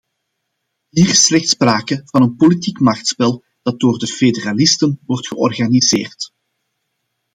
Hier is slechts sprake van een politiek machtsspel dat door de federalisten wordt georganiseerd.